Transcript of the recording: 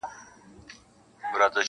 غازي دغه یې وخت دی د غزا په کرنتین کي-